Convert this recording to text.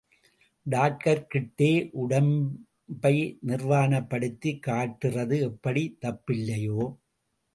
டாக்டர்கிட்டே உடம்பை நிர்வாணப்படுத்திக் காட்டுறது எப்படித் தப்பில்லையோ,